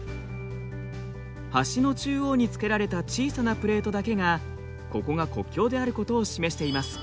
橋の中央につけられた小さなプレートだけがここが国境であることを示しています。